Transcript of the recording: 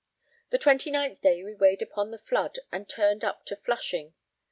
The 29th day we weighed upon the flood and turned up to Flushing.